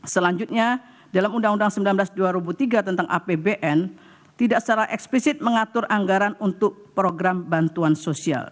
selanjutnya dalam undang undang sembilan belas dua ribu tiga tentang apbn tidak secara eksplisit mengatur anggaran untuk program bantuan sosial